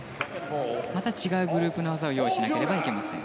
また違うグループの技を用意しなければいけません。